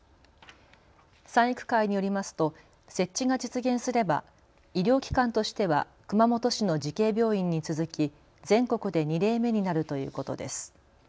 賛育会によりますと設置が実現すれば医療機関としては熊本市の慈恵病院に続き全国で２例目になるということです。